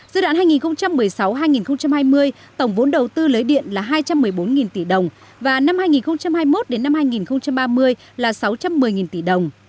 giai đoạn hai nghìn một mươi sáu hai nghìn hai mươi tổng vốn đầu tư lấy điện là hai trăm một mươi bốn tỷ đồng và năm hai nghìn hai mươi một đến năm hai nghìn ba mươi là sáu trăm một mươi tỷ đồng